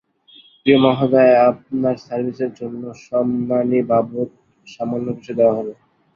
প্রিয় মহোদয়, আপনার সার্ভিসের জন্যে সন্মানী বাবদ সামান্য কিছু দেওয়া হল।